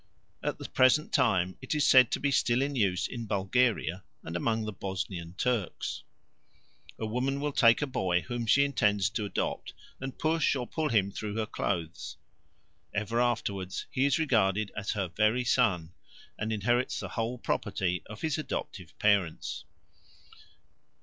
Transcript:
At the present time it is said to be still in use in Bulgaria and among the Bosnian Turks. A woman will take a boy whom she intends to adopt and push or pull him through her clothes; ever afterwards he is regarded as her very son, and inherits the whole property of his adoptive parents.